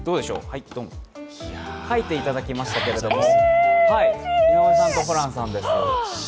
描いていただきましたけど井上さんとホランさんです。